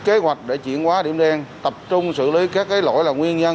sẽ xây dựng kế hoạch để chuyển hóa điểm đen tập trung xử lý các lỗi là nguyên nhân